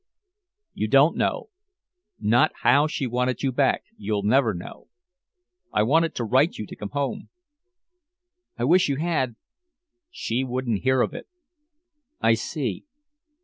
"You don't know not how she wanted you back you'll never know. I wanted to write you to come home." "I wish you had!" "She wouldn't hear of it!" "I see."